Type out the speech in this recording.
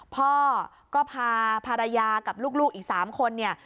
พ่อก็พาภรรยากับลูกอีก๓คนเนี่ย